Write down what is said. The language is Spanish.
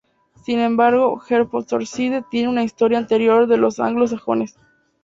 Sin embargo, Hertfordshire tiene una historia anterior de los anglo-sajones.